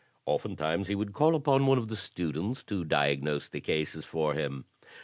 Oftentimes he would call upon one of the students to diagnose the cases for him.